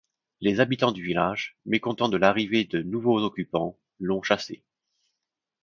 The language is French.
Les habitants du village, mécontents de l'arrivée de nouveaux occupants, l'ont chassé.